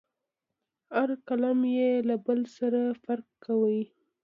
هر کالم یې له بل سره فرق کوي.